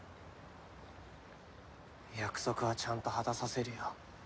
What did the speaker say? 約束はちゃんと果たさせるよ。